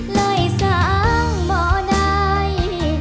เลยสังบ่ได้